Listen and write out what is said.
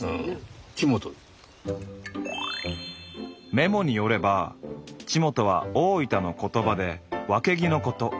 メモによれば「ちもと」は大分の言葉でわけぎのこと。